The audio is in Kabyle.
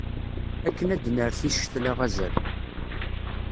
Akken ad d-nerret i ccetla azal.